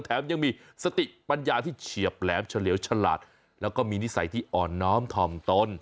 ยังมีสติปัญญาที่เฉียบแหลมเฉลี่ยวฉลาดแล้วก็มีนิสัยที่อ่อนน้อมถ่อมตน